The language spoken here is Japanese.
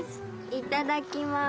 いただきます。